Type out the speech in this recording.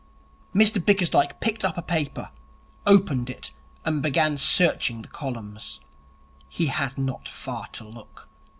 Mr Bickersdyke picked up a paper, opened it, and began searching the columns. He had not far to look.